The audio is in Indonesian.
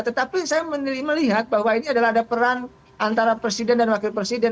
tetapi saya melihat bahwa ini adalah ada peran antara presiden dan wakil presiden